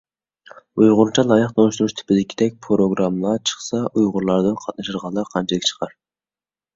ئۇيغۇرچە لايىق تونۇشتۇرۇش تىپىدىكىدەك پىروگرامما چىقسا، ئۇيغۇرلاردىن قاتنىشىدىغانلار قانچىلىك چىقار؟